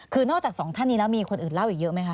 คือนอกจากสองท่านนี้แล้วมีคนอื่นเล่าอีกเยอะไหมคะ